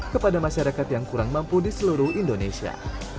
kepada masyarakat yang kurang mampu di seluruh indonesia